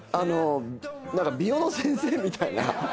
美容の先生みたいな。